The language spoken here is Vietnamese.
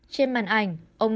trên màn ảnh ông nói